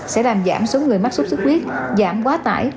sẽ làm giảm số người mắc sốt xuất huyết giảm quá tải